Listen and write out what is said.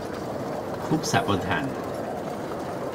ଖୁବ୍ ସାବଧାନ!